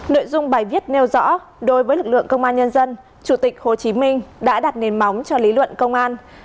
nội dung bài viết nêu rõ đối với lực lượng công an nhân dân chủ tịch hồ chí minh đã đặt nền móng cho lý luận công an